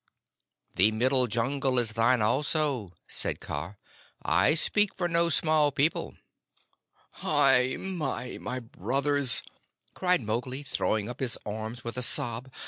"The Middle Jungle is thine also," said Kaa. "I speak for no small people." "Hai mai, my brothers," cried Mowgli, throwing up his arms with a sob.